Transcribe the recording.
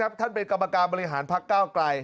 ท่านเป็นกรรมการบริหารพักเก้าไกล